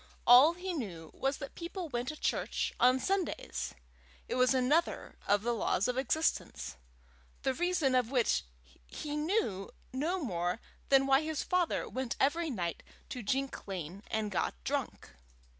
All he knew was that people went to church on Sundays. It was another of the laws of existence, the reason of which he knew no more than why his father went every night to Jink Lane and got drunk.